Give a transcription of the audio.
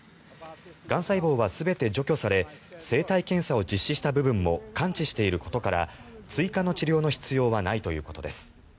がん細胞は全て除去され生体検査を実施した部分も完治していることから追加の治療の必要はないということです。